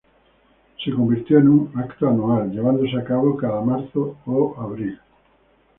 Se convirtió en un evento anual, llevándose a cabo cada marzo o abril.